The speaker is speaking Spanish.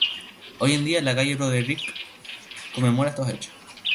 Hoy en día la calle Broderick conmemora estos hechos.